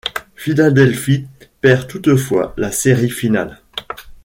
Philadelphie perd toutefois la série finale.